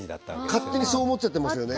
勝手にそう思っちゃってますよね